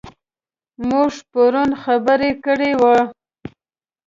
موږ پرون خبره کړې وه.